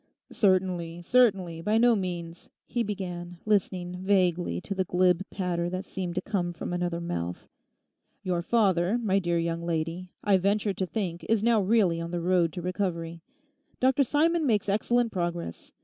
'Certainly, certainly, by no means,' he began, listening vaguely to the glib patter that seemed to come from another mouth. 'Your father, my dear young lady, I venture to think is now really on the road to recovery. Dr Simon makes excellent progress.